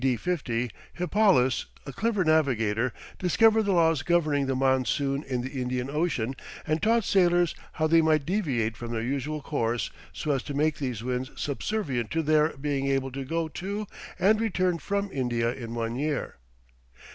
D. 50, Hippalus, a clever navigator, discovered the laws governing the monsoon in the Indian Ocean, and taught sailors how they might deviate from their usual course, so as to make these winds subservient to their being able to go to and return from India in one year.